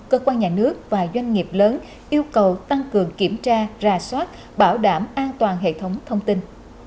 cơ quan nhà nước và doanh nghiệp lớn yêu cầu tăng cường kiểm tra ra soát bảo đảm an toàn hệ thống thông tin